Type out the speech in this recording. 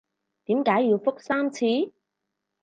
點解要覆三次？